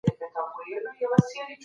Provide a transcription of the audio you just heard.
په حوض کې حرکت د اوږد عمر سبب کېږي.